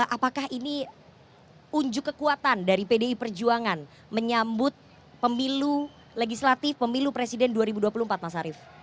apakah ini unjuk kekuatan dari pdi perjuangan menyambut pemilu legislatif pemilu presiden dua ribu dua puluh empat mas arief